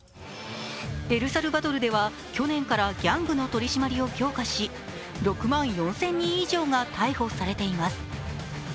エルサルバドルでは去年からギャングの取り締まりを強化し６万４０００人以上が逮捕されています